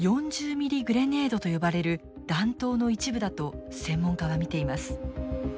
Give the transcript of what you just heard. ミリグレネードと呼ばれる弾頭の一部だと専門家は見ています。